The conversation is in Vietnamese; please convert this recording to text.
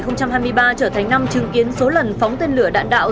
năm hai nghìn hai mươi ba trở thành năm chứng kiến số lần phóng tên lửa đạn đạo